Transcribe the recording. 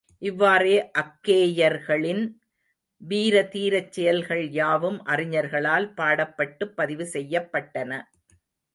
இவ்வாறே அக்கேயர்களின் வீரதீரச்செயல்கள்யாவும் அறிஞர்களால் பாடப்பட்டுப் பதிவு செய்யப்பட்டன.